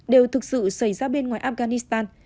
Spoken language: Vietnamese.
đều thực sự xảy ra bên ngoài afghanistan